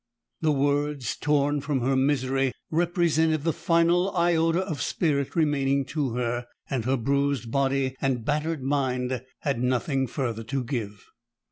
The words torn from her misery represented the final iota of spirit remaining to her; and her bruised body and battered mind had nothing further to give.